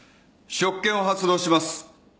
職権を発動します。